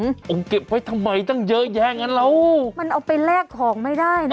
ผมเก็บไว้ทำไมตั้งเยอะแยะงั้นเรามันเอาไปแลกของไม่ได้นะ